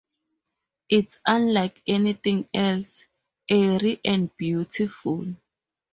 It's unlike anything else; eerie and beautiful.